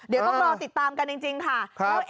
เดี๋ยวต้องรอติดตามกันจริงค่ะ